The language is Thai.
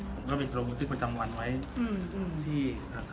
ผมก็มีโปรโมทิศประจำวันไว้ที่นักงานแล้ว